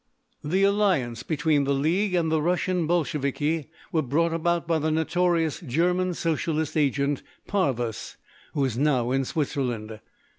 The alliance between the league and the Russian Bolsheviki was brought about by the notorious German Socialist agent, "Parvus," who is now in Switzerland.